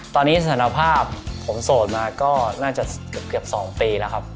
ตอนนี้สถานภาพผมโสดมาก็น่าจะเกือบ๒ปีแล้วครับ